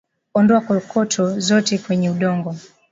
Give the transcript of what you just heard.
Ondoa kokoto zote kwenye udongo